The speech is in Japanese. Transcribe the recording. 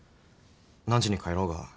何時に帰ろうが